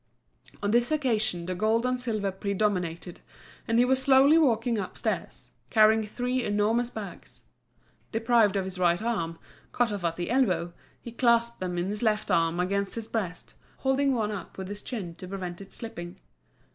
On this occasion the gold and silver predominated, and he was slowly walking upstairs, carrying three enormous bags. Deprived of his right arm, cut off at the elbow, he clasped them in his left arm against his breast, holding one up with his chin to prevent it slipping.